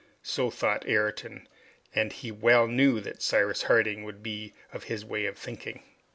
So thought Ayrton, and he well knew that Cyrus Harding would be of his way of thinking.